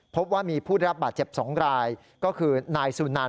พบว่ามีผู้รับบาดเจ็บ๒รายก็คือนาย